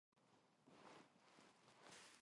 비록 직공은 되었다 하나 아주 온량한 사람이었습니다.